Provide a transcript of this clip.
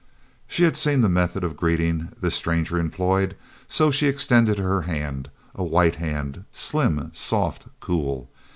She had seen the method of greeting this stranger employed. She extended her hand—a white hand, slim, soft, cool.